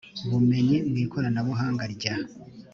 bumenyi mu ikoranabuhanga rya